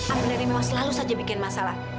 amir leni memang selalu saja bikin masalah